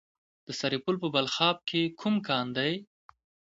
د سرپل په بلخاب کې کوم کان دی؟